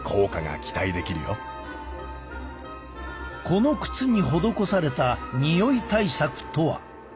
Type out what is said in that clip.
この靴に施されたにおい対策とは。